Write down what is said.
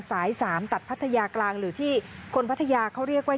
สาย๓ตัดพัทยากลางหรือที่คนพัทยาเขาเรียกว่า